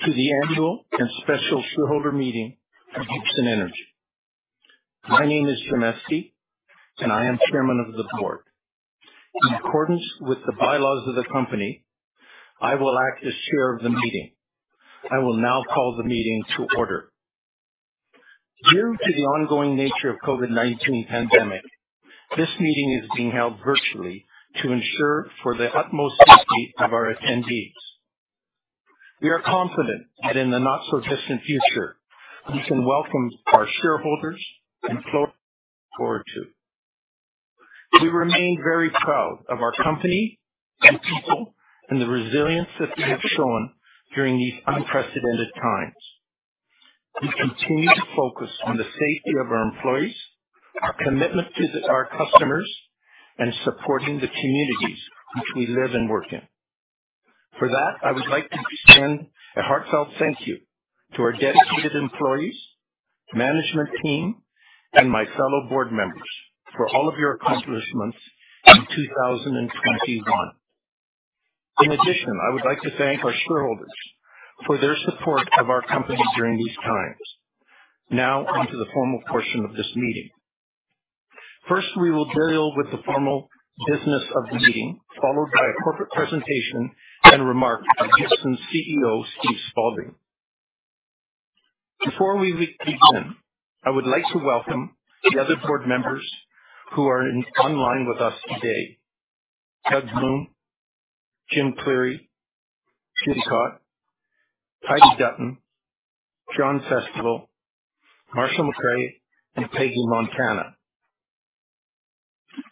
Welcome to the annual and special shareholder meeting for Gibson Energy. My name is Jim Estey, and I am Chairman of the Board. In accordance with the bylaws of the company, I will act as Chair of the meeting. I will now call the meeting to order. Due to the ongoing nature of COVID-19 pandemic, this meeting is being held virtually to ensure the utmost safety of our attendees. We are confident that in the not so distant future, we can welcome our shareholders and move forward too. We remain very proud of our company and people and the resilience that we have shown during these unprecedented times. We continue to focus on the safety of our employees, our commitment to our customers, and supporting the communities which we live and work in. For that, I would like to extend a heartfelt thank you to our dedicated employees, management team, and my fellow board members for all of your accomplishments in 2021. In addition, I would like to thank our shareholders for their support of our company during these times. Now on to the formal portion of this meeting. First, we will deal with the formal business of the meeting, followed by a corporate presentation and remarks from our CEO, Steve Spaulding. Before we begin, I would like to welcome the other board members who are online with us today. Douglas Bloom, James Cleary, Judy Cotte, Heidi Dutton, John Festival, Marshall McRae, and Peggy Montana.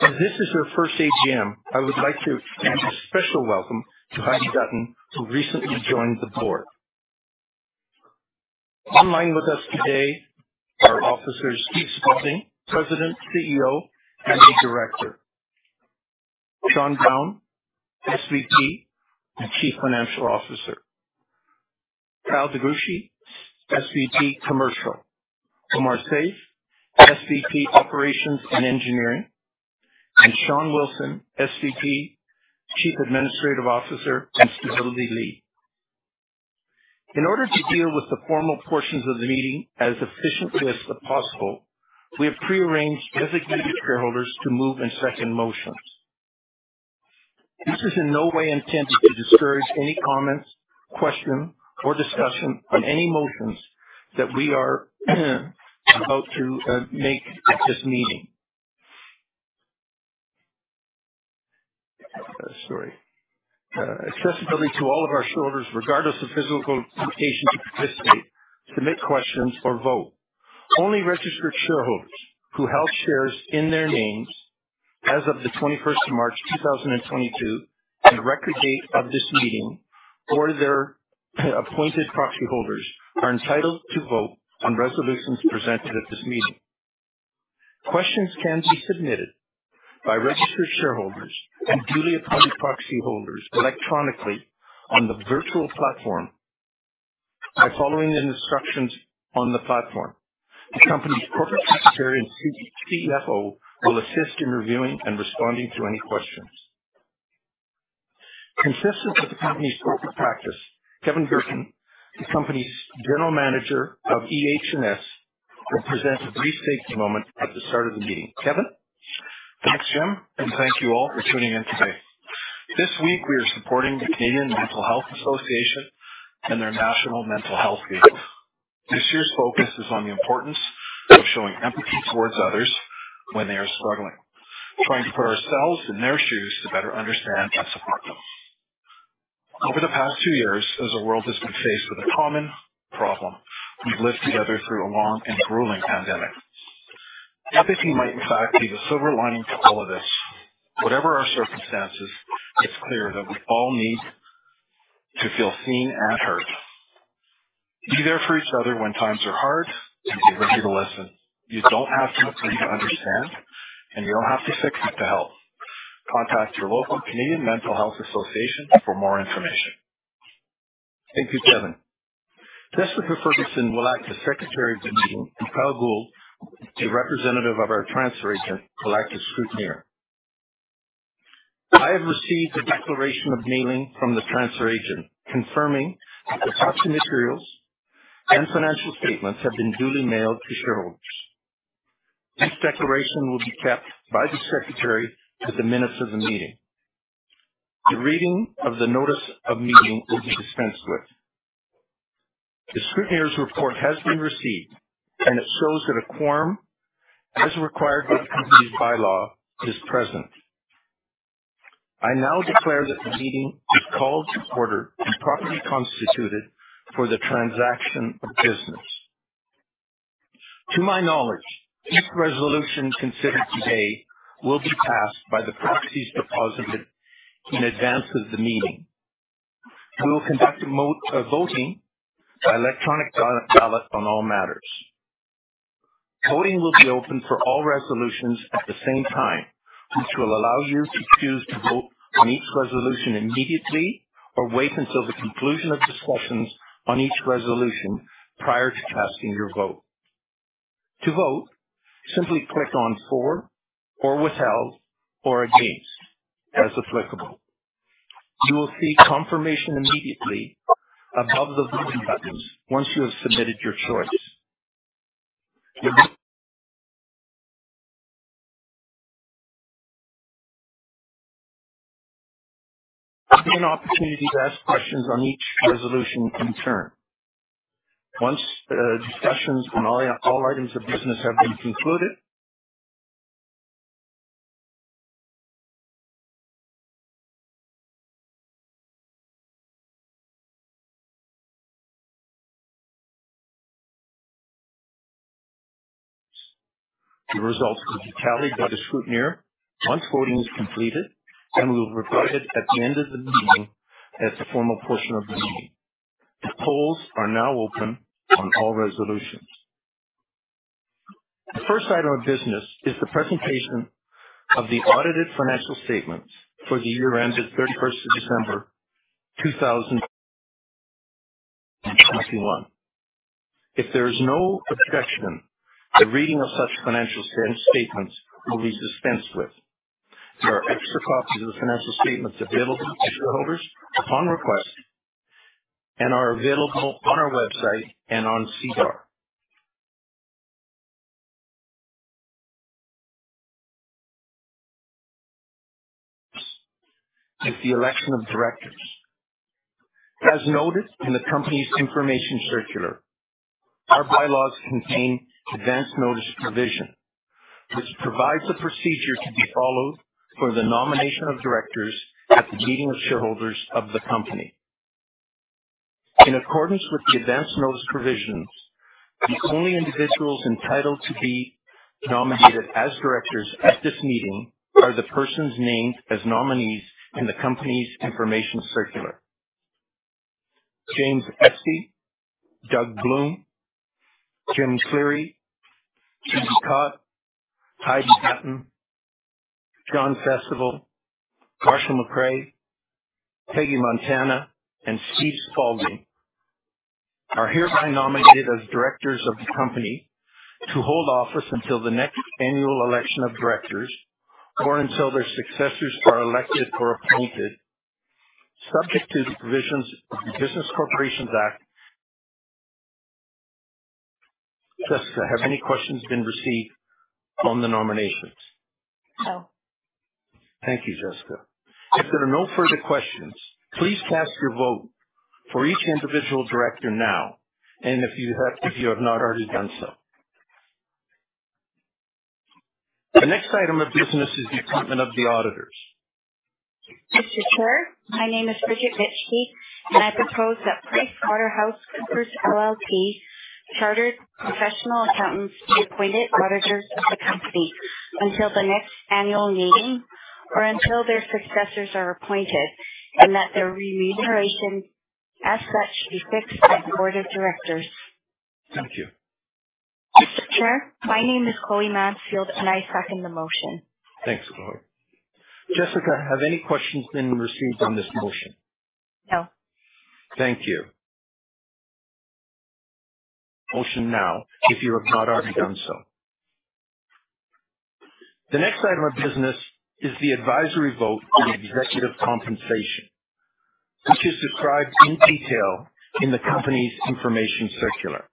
As this is your first AGM, I would like to extend a special welcome to Heidi Dutton, who recently joined the board. Online with us today are officers Steve Spaulding, President, CEO, and a Director, Sean Brown, SVP and Chief Financial Officer, Kyle DeGruchy, SVP Commercial, Omar Saif, SVP Operations and Engineering, and Sean Wilson, SVP, Chief Administrative Officer and Sustainability Lead. In order to deal with the formal portions of the meeting as efficiently as possible, we have pre-arranged designated shareholders to move and second motions. This is in no way intended to discourage any comments, questions, or discussion on any motions that we are about to make at this meeting. Accessibility to all of our shareholders, regardless of physical limitation to participate, submit questions or vote. Only registered shareholders who held shares in their names as of the 21st of March 2022 and record date of this meeting, or their appointed proxy holders are entitled to vote on resolutions presented at this meeting. Questions can be submitted by registered shareholders and duly appointed proxy holders electronically on the virtual platform by following the instructions on the platform. The company's corporate secretary and CFO will assist in reviewing and responding to any questions. Consistent with the company's corporate practice, Kevin Gertken, the company's General Manager of EH&S, will present a brief safety moment at the start of the meeting. Kevin. Thanks, Jim, and thank you all for tuning in today. This week, we are supporting the Canadian Mental Health Association and their national mental health week. This year's focus is on the importance of showing empathy towards others when they are struggling, trying to put ourselves in their shoes to better understand and support them. Over the past two years, as the world has been faced with a common problem, we've lived together through a long and grueling pandemic. Empathy might, in fact, be the silver lining to all of this. Whatever our circumstances, it's clear that we all need to feel seen and heard. Be there for each other when times are hard, and be ready to listen. You don't have to agree to understand, and you don't have to fix it to help. Contact your local Canadian Mental Health Association for more information. Thank you, Kevin. Jessica Ferguson will act as Secretary of the meeting, and Kyle Gould, a representative of our transfer agent, will act as scrutineer. I have received a declaration of mailing from the transfer agent confirming that the proxy materials and financial statements have been duly mailed to shareholders. This declaration will be kept by the Secretary with the minutes of the meeting. The reading of the notice of meeting will be dispensed with. The scrutineer's report has been received, and it shows that a quorum as required by the company's bylaws is present. I now declare that the meeting is called to order and properly constituted for the transaction of business. To my knowledge, each resolution considered today will be passed by the proxies deposited in advance of the meeting. We will conduct a voting by electronic ballot on all matters. Voting will be open for all resolutions at the same time, which will allow you to choose to vote on each resolution immediately or wait until the conclusion of discussions on each resolution prior to casting your vote. To vote, simply click on for or withheld or against as applicable. You will see confirmation immediately above the voting buttons once you have submitted your choice. There'll be an opportunity to ask questions on each resolution in turn. Once the discussions on all items of business have been concluded. The results will be tallied by the scrutineer once voting is completed, and we'll report it at the end of the meeting as the formal portion of the meeting. The polls are now open on all resolutions. The first item of business is the presentation of the audited financial statements for the year ended December 31, 2021. If there is no objection, the reading of such financial statements will be dispensed with. There are extra copies of the financial statements available to shareholders upon request and are available on our website and on SEDAR. Is the election of directors. As noted in the company's information circular, our bylaws contain advance notice provision, which provides the procedure to be followed for the nomination of directors at the meeting of shareholders of the company. In accordance with the advance notice provisions, the only individuals entitled to be nominated as directors at this meeting are the persons named as nominees in the company's information circular. James Estey, Douglas Bloom, James Cleary, Judy Cotte, Heidi Dutton, John Festival, Marshall McRae, Peggy Montana, and Steven Spaulding are hereby nominated as directors of the company to hold office until the next annual election of directors or until their successors are elected or appointed, subject to the provisions of the Business Corporations Act. Jessica, have any questions been received on the nominations? No. Thank you, Jessica. If there are no further questions, please cast your vote for each individual director now, and if you have not already done so. The next item of business is the appointment of the auditors. Mr. Chair, my name is Bridget Mitchkey, and I propose that PricewaterhouseCoopers LLP, chartered professional accountants, be appointed auditors of the company until the next annual meeting or until their successors are appointed, and that their remuneration as such be fixed by the board of directors. Thank you. Mr. Chair, my name is Chloe Mansfield, and I second the motion. Thanks, Chloe. Jessica, have any questions been received on this motion? No. Thank you. Motion now if you have not already done so. The next item of business is the advisory vote for the executive compensation, which is described in detail in the company's information circular.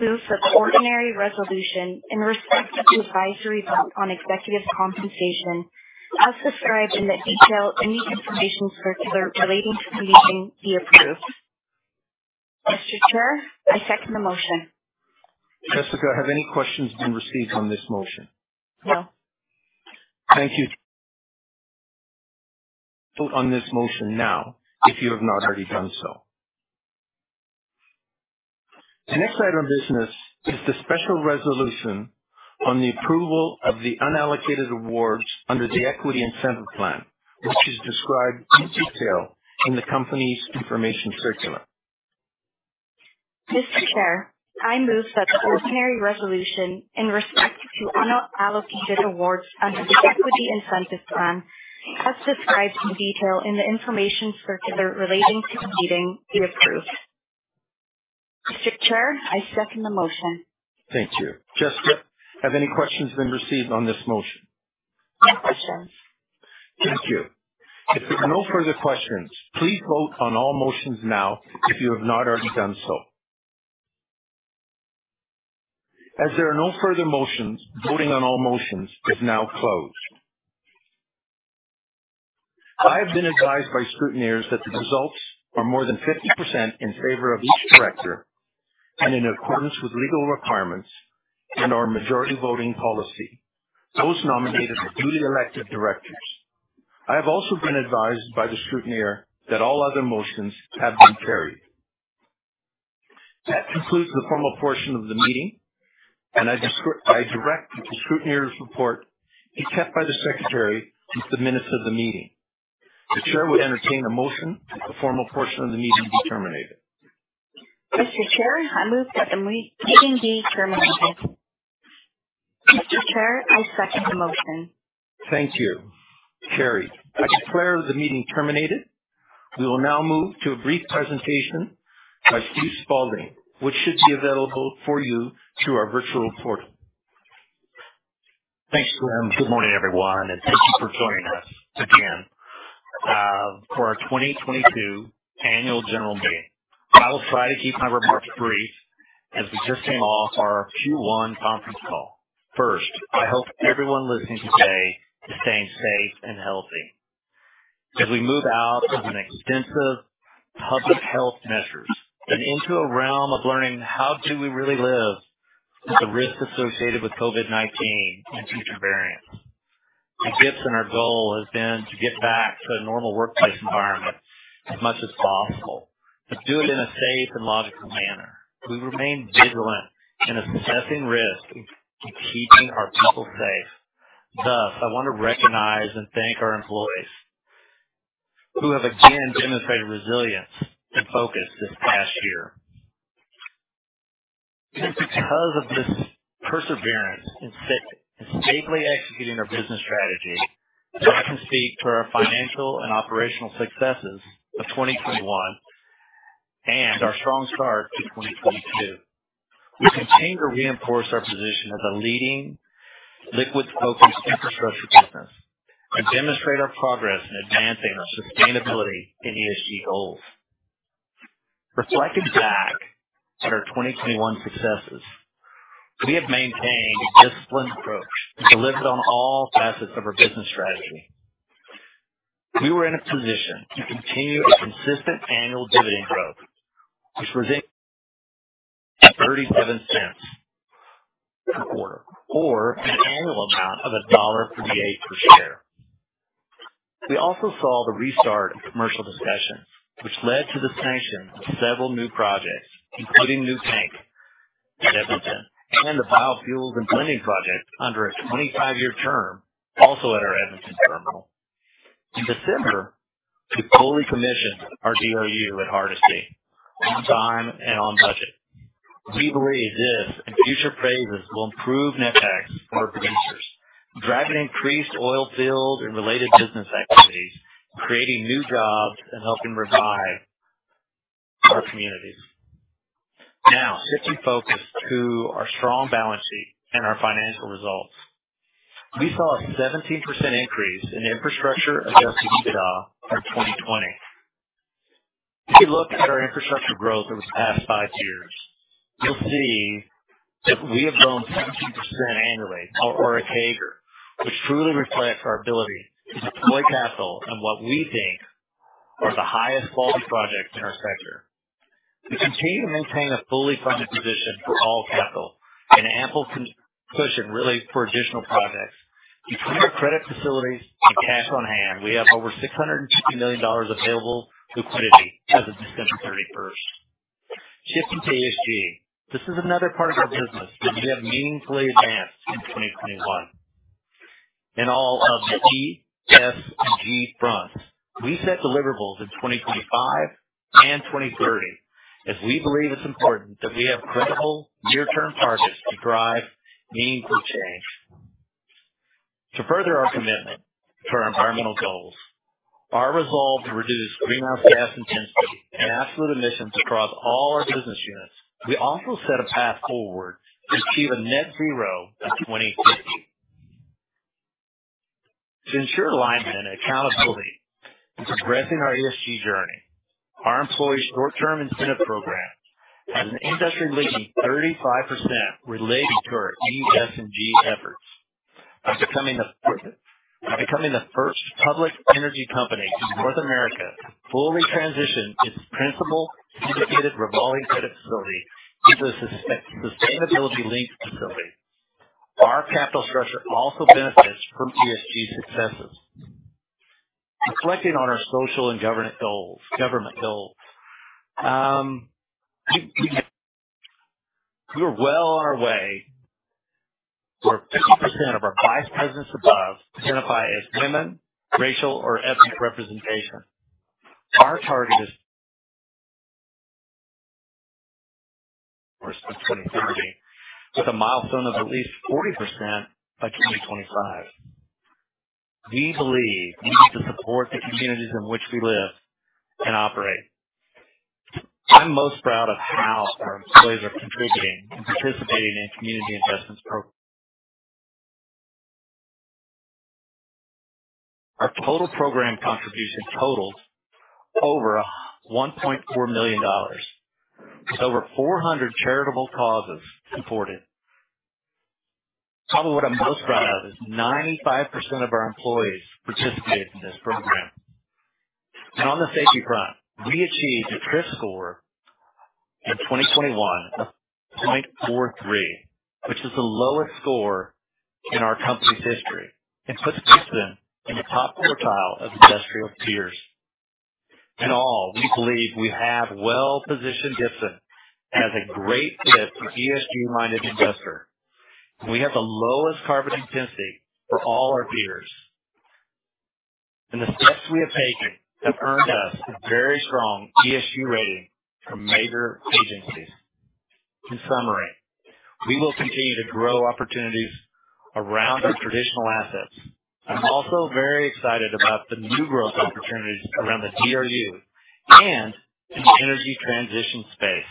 Move that the ordinary resolution in respect to advisory vote on executive compensation, as described in the detail in the information circular relating to the meeting, be approved. Mr. Chair, I second the motion. Jessica, have any questions been received on this motion? No. Thank you. Vote on this motion now if you have not already done so. The next item of business is the special resolution on the approval of the unallocated awards under the equity incentive plan, which is described in detail in the company's information circular. Mr. Chair, I move that the ordinary resolution in respect to unallocated awards under the equity incentive plan, as described in detail in the information circular relating to the meeting, be approved. Mr. Chair, I second the motion. Thank you. Jessica, have any questions been received on this motion? No questions. Thank you. If there's no further questions, please vote on all motions now if you have not already done so. As there are no further motions, voting on all motions is now closed. I have been advised by scrutineers that the results are more than 50% in favor of each director and in accordance with legal requirements and our majority voting policy. Those nominated are duly elected directors. I have also been advised by the scrutineer that all other motions have been carried. That concludes the formal portion of the meeting. I direct that the scrutineer's report be kept by the secretary as the minutes of the meeting. The chair would entertain a motion that the formal portion of the meeting be terminated. Mr. Chair, I move that the meeting be terminated. Mr. Chair, I second the motion. Thank you, Kerri. I declare the meeting terminated. We will now move to a brief presentation by Steve Spaulding, which should be available for you through our virtual portal. Thanks, Steve. Good morning, everyone, and thank you for joining us again for our 2022 annual general meeting. I will try to keep my remarks brief as we just came off our Q1 conference call. First, I hope everyone listening today is staying safe and healthy as we move out of extensive public health measures and into a realm of learning how we really live with the risks associated with COVID-19 and future variants. At Gibson, our goal has been to get back to a normal workplace environment as much as possible, but do it in a safe and logical manner. We remain vigilant in assessing risk and keeping our people safe. Thus, I want to recognize and thank our employees who have again demonstrated resilience and focus this past year. Because of this perseverance in safely executing our business strategy, I can speak to our financial and operational successes of 2021 and our strong start to 2022. We continue to reinforce our position as a leading liquids infrastructure business and demonstrate our progress in advancing our sustainability and ESG goals. Reflecting back on our 2021 successes, we have maintained a disciplined approach and delivered on all facets of our business strategy. We were in a position to continue a consistent annual dividend growth, which was at CAD 0.37 per quarter or an annual amount of CAD 1.58 per share. We also saw the restart of commercial discussions, which led to the sanction of several new projects, including new tank at Edmonton and the biofuels and blending project under a 25-year term, also at our Edmonton terminal. In December, we fully commissioned our DRU at Hardisty on time and on budget. We believe this and future phases will improve netbacks for producers, driving increased oil field and related business activities, creating new jobs, and helping revive our communities. Now shifting focus to our strong balance sheet and our financial results. We saw a 17% increase in infrastructure adjusted EBITDA for 2020. If you look at our infrastructure growth over the past five years, you'll see that we have grown 17% annually or a CAGR, which truly reflects our ability to deploy capital in what we think are the highest quality projects in our sector. We continue to maintain a fully funded position for all capital and ample cushion and liquidity for additional projects. Between our credit facilities and cash on hand, we have over 650 million dollars available liquidity as of December 31st. Shifting to ESG. This is another part of our business that we have meaningfully advanced in 2021. In all of the E, S, and G fronts, we set deliverables in 2025 and 2030 as we believe it's important that we have credible near-term targets to drive meaningful change. To further our commitment to our environmental goals, our resolve to reduce greenhouse gas intensity and absolute emissions across all our business units, we also set a path forward to achieve a net zero by 2050. To ensure alignment and accountability in progressing our ESG journey, our employee short term incentive program has an industry-leading 35% related to our E, S, and G efforts. By becoming the first public energy company in North America to fully transition its principal syndicated revolving credit facility to the sustainability-linked facility, our capital structure also benefits from ESG successes. Reflecting on our social and governance goals, we are well on our way where 50% of our vice presidents and above identify as women, racial or ethnic representation. Our target is for 2050, with a milestone of at least 40% by 2025. We believe we need to support the communities in which we live and operate. I'm most proud of how our employees are contributing and participating in community investments. Our total program contribution totals over 1.4 million dollars, with over 400 charitable causes supported. Probably what I'm most proud of is 95% of our employees participated in this program. On the safety front, we achieved a TRIF score in 2021 of 0.43, which is the lowest score in our company's history and puts Gibson in the top quartile of industrial peers. In all, we believe we have well-positioned Gibson as a great fit for ESG-minded investor. We have the lowest carbon intensity for all our peers. The steps we have taken have earned us a very strong ESG rating from major agencies. In summary, we will continue to grow opportunities around our traditional assets. I'm also very excited about the new growth opportunities around the DRU and in the energy transition space.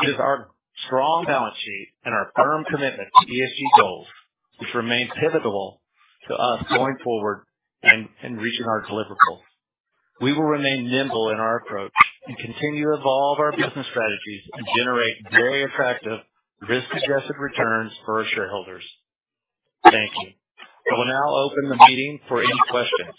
It is our strong balance sheet and our firm commitment to ESG goals which remain pivotal to us going forward and reaching our deliverable goals. We will remain nimble in our approach and continue to evolve our business strategies and generate very attractive risk-adjusted returns for our shareholders. Thank you. I will now open the meeting for any questions.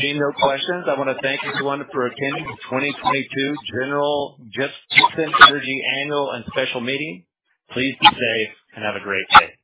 Seeing no questions, I wanna thank everyone for attending the 2022 General Gibson Energy Annual and Special Meeting. Please be safe and have a great day.